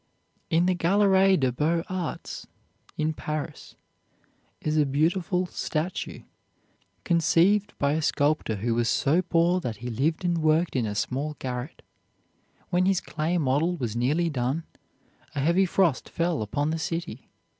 In the Galérie des Beaux Arts in Paris is a beautiful statue conceived by a sculptor who was so poor that he lived and worked in a small garret. When his clay model was nearly done, a heavy frost fell upon the city.